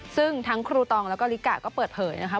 ซึ่งทั้งครัวตองก็ริกะก็เปิดเผยนะครับ